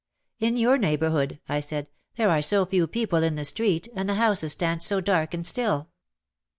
"In your neighbourhood," I said, "there are so few people in the street and the houses stand so dark and still."